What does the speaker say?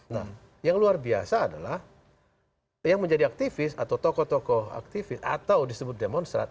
nah yang luar biasa adalah yang menjadi aktivis atau tokoh tokoh aktivis atau disebut demonstrat